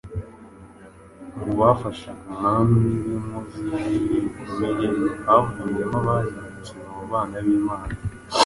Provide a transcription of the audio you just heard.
Mu bafashaga umwami w’inkozi y’ibibi bikomeye havuyemo abahindutse baba abana b’Imana